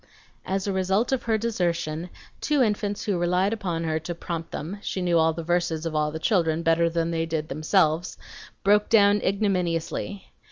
As a result of her desertion, two infants who relied upon her to prompt them (she knew the verses of all the children better than they did themselves) broke down ignominiously.